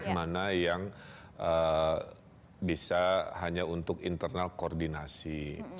mana yang bisa hanya untuk internal koordinasi